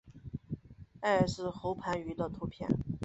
艾氏喉盘鱼的图片